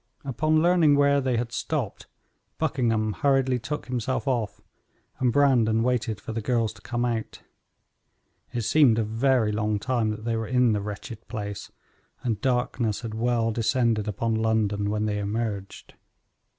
Upon learning where they had stopped, Buckingham hurriedly took himself off, and Brandon waited for the girls to come out. It seemed a very long time that they were in the wretched place, and darkness had well descended upon London when they emerged.